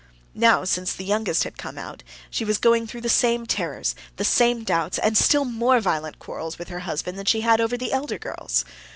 Now, since the youngest had come out, she was going through the same terrors, the same doubts, and still more violent quarrels with her husband than she had over the elder girls.